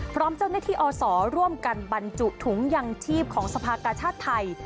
พร้อมเจ้าหน้าที่อศร่วมกันบรรจุถุงยังชีพของสภากาชาติไทย